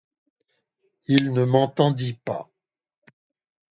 Il ne m’entendit pas.